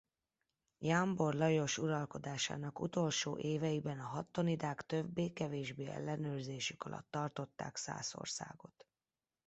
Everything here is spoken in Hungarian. Jámbor Lajos uralkodásának utolsó éveiben a hattonidák többé-kevésbé ellenőrzésük alatt tartották Szászországot.